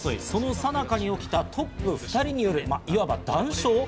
その最中に起きたトップ２人によるいわば談笑。